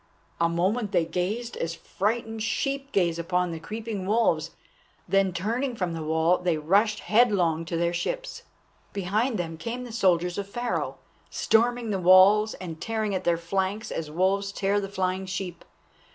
A moment they gazed as frightened sheep gaze upon the creeping wolves, then turning from the wall, they rushed headlong to their ships. Behind them came the soldiers of Pharaoh, storming the walls and tearing at their flanks as wolves tear the flying sheep.